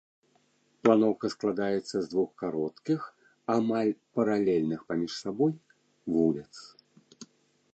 Планоўка складаецца з двух кароткіх амаль паралельных паміж сабой вуліц.